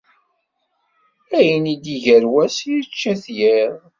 Ayen i d-iger wass, yečča-t yiḍ.